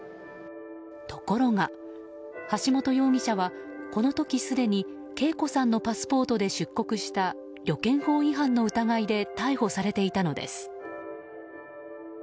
ところが、橋本容疑者はこの時すでに啓子さんのパスポートで出国した旅券法違反の疑いで逮捕されていたのです。